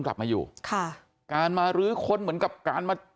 กลับมาอยู่ค่ะการมารื้อค้นเหมือนกับการมา